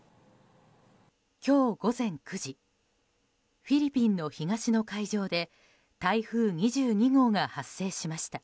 今日午前９時フィリピンの東の海上で台風２２号が発生しました。